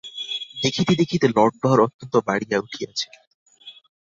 দেখিতে দেখিতে লটবহর অত্যন্ত বাড়িয়া উঠিয়াছে।